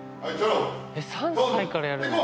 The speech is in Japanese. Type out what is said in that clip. ３歳からやるの？